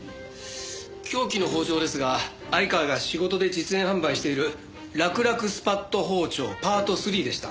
凶器の包丁ですが相川が仕事で実演販売しているらくらくスパッと包丁パート３でした。